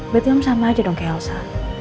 berarti yang sama aja dong ke elsa